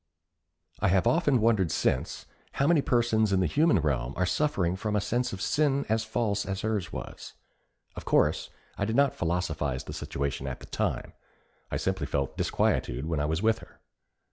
I have often wondered since, how many persons in the human realm are suffering from a sense of sin as false as hers was. Of course, I did not philosophize the situation at the time. I simply felt disquietude when I was with her.